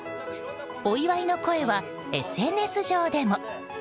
お祝いの声はＳＮＳ上でも。